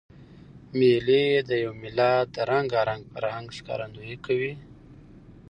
مېلې د یو ملت د رنګارنګ فرهنګ ښکارندویي کوي.